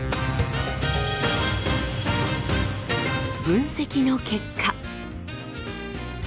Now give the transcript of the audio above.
分析の結果